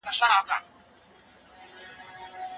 صالحه میرمن د خپلو اخلاقو او عفت ساتنه کوي.